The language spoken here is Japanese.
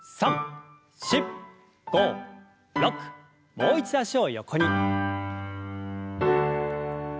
もう一度脚を横に。